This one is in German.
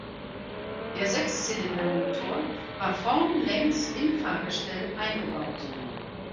Der Sechszylindermotor war vorn längs in Fahrgestell eingebaut.